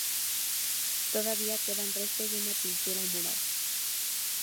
Todavía quedan restos de una pintura mural.